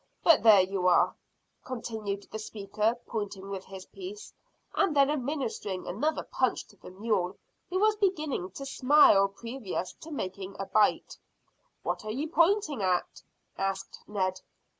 But there you are," continued the speaker, pointing with his piece, and then administering another punch to the mule, who was beginning to smile previous to making a bite. "What are you pointing at?" asked Ned.